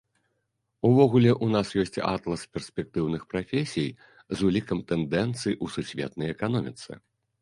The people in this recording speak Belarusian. Увогуле, у нас ёсць атлас перспектыўных прафесій з улікам тэндэнцый у сусветнай эканоміцы.